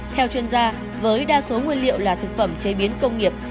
theo chuyên gia với đa số nguyên liệu là thực phẩm chế biến công nghiệp